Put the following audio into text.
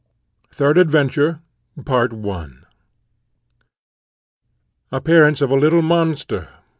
Third Adventure. Appearance of a little monster.